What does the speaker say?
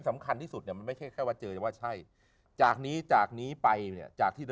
สำคัญที่สุดเนี่ยมันไม่ใช่แค่ว่าเจอว่าใช่จากนี้จากนี้ไปเนี่ยจากที่